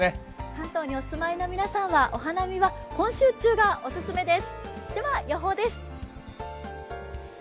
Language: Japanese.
関東にお住まいの皆さんはお花見は今週中がオススメです。